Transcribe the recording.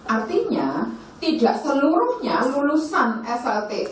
artinya tidak seluruhnya lulusan slta smk itu wajib masuk perguruan tinggi